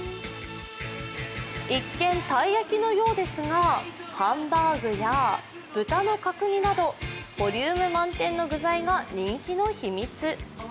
一見、たい焼きのようですがハンバーグや豚の角煮などボリューム満点の具材が人気の秘密。